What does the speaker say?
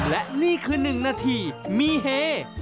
และนี่คือ๑นาทีมีเฮ